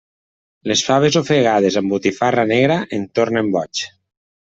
Les faves ofegades amb botifarra negra em tornen boig.